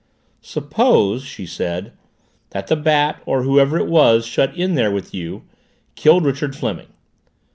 "Suppose," she said, "that the Bat, or whoever it was shut in there with you, killed Richard Fleming.